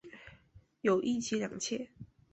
有一妻两妾。